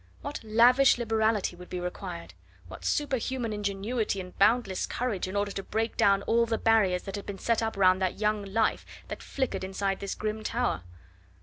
What lavish liberality would be required! what superhuman ingenuity and boundless courage in order to break down all the barriers that had been set up round that young life that flickered inside this grim tower!